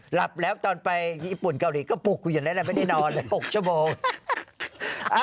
หลับแล้วตอนไปญี่ปุ่นเกาหลีก็ปลุกกูอยู่แล้วแหละไม่ได้นอนเลย๖ชั่วโมง